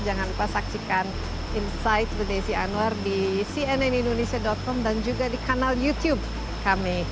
jangan lupa saksikan insight with desi anwar di cnnindonesia com dan juga di kanal youtube kami